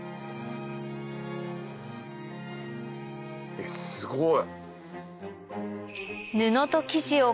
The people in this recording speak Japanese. えっすごい。